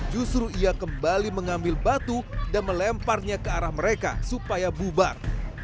justru ia kembali mengambil batu dan melemparnya ke arah mereka supaya bubar